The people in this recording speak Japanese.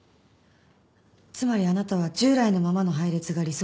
つまりあなたは従来のままの配列が理想的だと？